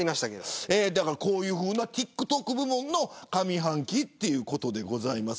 こういうふうなＴｉｋＴｏｋ部門の上半期ということです。